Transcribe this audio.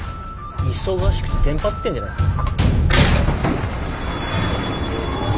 忙しくてテンパってんじゃないですか。